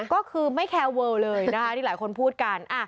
ก็คือไม่แคร์เวิลเลยนะคะที่หลายคนพูดกัน